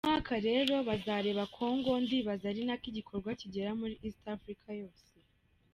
Uyu mwaka rero bazareba Congo ndibaza ariko ni igikorwa kigera muri east africa yose.